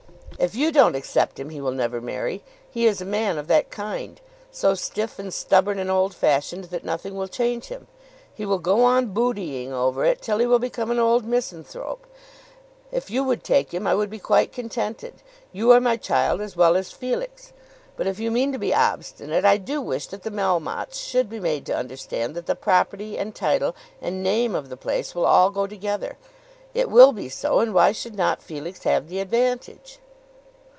"If you don't accept him he will never marry. He is a man of that kind, so stiff and stubborn and old fashioned that nothing will change him. He will go on boodying over it, till he will become an old misanthrope. If you would take him I would be quite contented. You are my child as well as Felix. But if you mean to be obstinate I do wish that the Melmottes should be made to understand that the property and title and name of the place will all go together. It will be so, and why should not Felix have the advantage?"